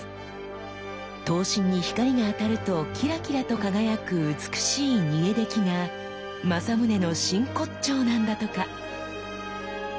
刀身に光が当たるとキラキラと輝く美しい沸出来が正宗の真骨頂なんだとか。